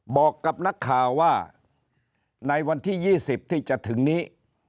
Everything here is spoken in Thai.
บอกกับนักข่าวว่าในวันที่๒๐ที่จะถึงนี้